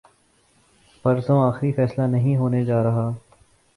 پرسوں آخری فیصلہ نہیں ہونے جارہا۔